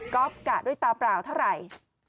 กะด้วยตาเปล่าเท่าไหร่